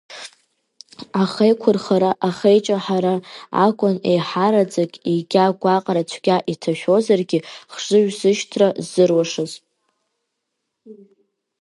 Ахеиқәырхара, ахеиҷаҳара акәын еиҳараӡак, егьа гәаҟра цәгьа иҭашәозаргьы хшыҩзышьҭра ззырушаз.